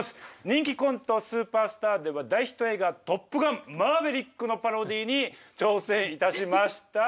人気コント「スーパースター」では大ヒット映画「トップガンマーヴェリック」のパロディーに挑戦いたしました。